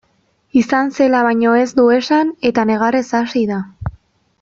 Izan zela baino ez du esan eta negarrez hasi da.